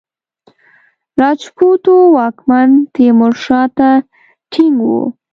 راجپوتو واکمن تیمورشاه ته ټینګ وو.